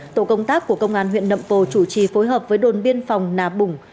tổ công tác của công an huyện nậm pồ chủ trì phối hợp với đồn biên phòng nà bủng